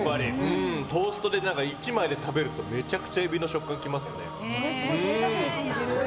トーストで１枚で食べるとめちゃくちゃエビの食感が来ますね。